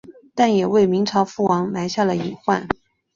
但也为明朝覆亡埋下了隐患。